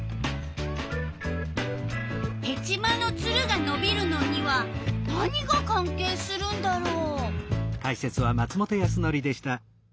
ヘチマのツルがのびるのには何が関係するんだろう？